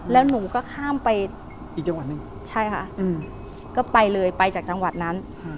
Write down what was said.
แล้วหนูก็ข้ามไปอีกจังหวัดหนึ่งใช่ค่ะก็ไปเลยไปจากจังหวัดนั้น